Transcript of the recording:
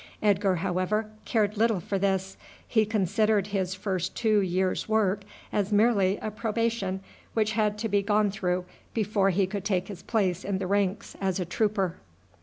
Edgar, however, cared little for this. He considered his first two years' work as merely a probation which had to be gone through before he could take his place in the ranks as a trooper.